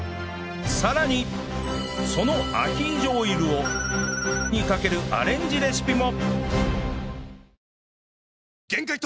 さらにそのアヒージョオイルをにかけるアレンジレシピも